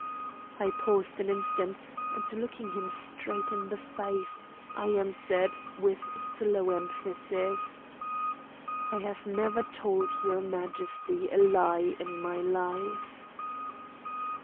I paused an instant, and, looking him straight in the face, I answered, with slow emphasis: "I have never told your Majesty a lie in my life."